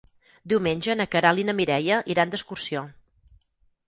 Diumenge na Queralt i na Mireia iran d'excursió.